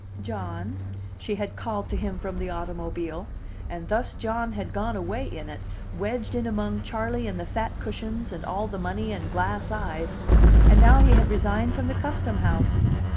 "John," she had called to him from the automobile; and thus John had gone away in it, wedged in among Charley and the fat cushions and all the money and glass eyes. And now he had resigned from the Custom House!